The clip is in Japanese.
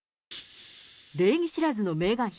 礼儀知らずのメーガン妃。